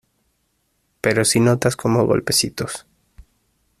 pero si notas como golpecitos